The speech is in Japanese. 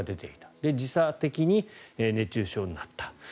そして時差的に熱中症になった。